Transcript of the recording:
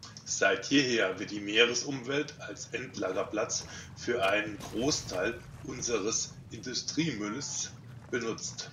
Seit jeher wird die Meeresumwelt als Endlagerplatz für einen Großteil unseres Industriemülls benutzt.